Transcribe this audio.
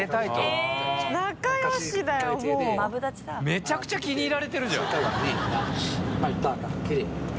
めちゃくちゃ気に入られてるじゃん。